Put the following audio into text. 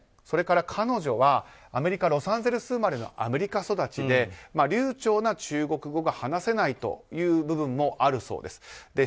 それから彼女はアメリカ・ロサンゼルス生まれのアメリカ育ちで流暢な中国語が話せないという部分もあるそうです。